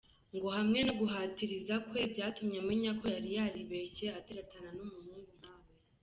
Ngo hamwe no guhatiriza kwe, byatumye amenya ko yari yaribeshye ateretana n’umuhungu nkawe.